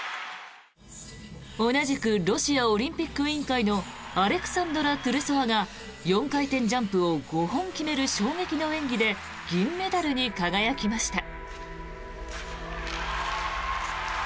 同じくロシアオリンピック委員会のアレクサンドラ・トゥルソワが４回転ジャンプを５本決める衝撃の演技で銀メダルに輝きました。